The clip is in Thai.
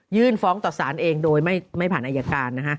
ยื่นฟ้องต่อสารเองโดยไม่ผ่านอายการ